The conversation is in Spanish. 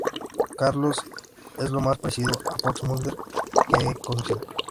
Carlos es lo más parecido a Fox Mulder que he conocido".